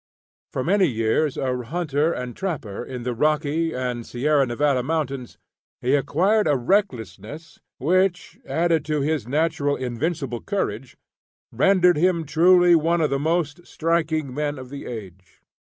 For many years a hunter and trapper in the Rocky and Sierra Nevada Mountains, he acquired a recklessness which, added to his natural invincible courage, rendered him truly one of the most striking men of the age.